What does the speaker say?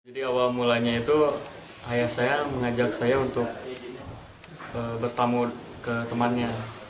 jadi awal mulanya itu ayah saya mengajak saya untuk bertamu ke temannya